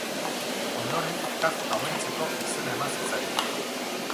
Ondoren Kafka omentzeko izena eman zitzaion.